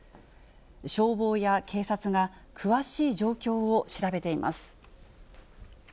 消防や警察が詳しい状況を調べています。